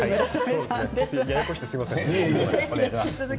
ややこしくてすみません。